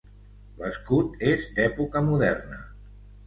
L'escut és d'època moderna.